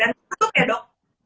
dan tertutup ya dok